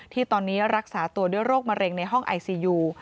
ที่ตอนนี้รักษาตัวด้วยโรคมะเร็งในห้องไอซียู